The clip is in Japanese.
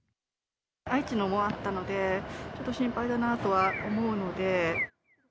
愛知のもあったので、ちょっと心配だなとは思うので。